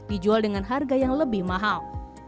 dijual dengan harga dua hingga empat juta rupiah